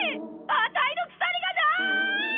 あたいの鎖がない！